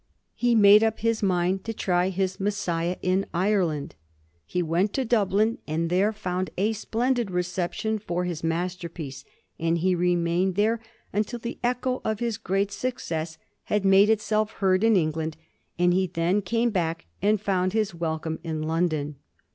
He made up his mind to try his " Messiah " in Ireland. He went to Dub lin, and there found a splendid reception for his master piece, and he remained there until the echo of his great success had made itself heard in England, and he then came back and found his welcome in London.